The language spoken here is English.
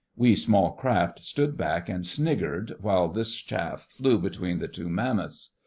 We small craft stood back and sniggered while this chaff flew between the two mammoths.